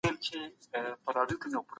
مجاهدین په میدان کي د حق ننګه کوی.